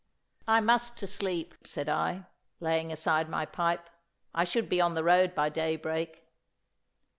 'I must to sleep,' said I, laying aside my pipe. 'I should be on the road by daybreak.